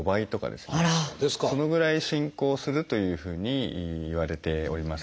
そのぐらい進行するというふうにいわれております。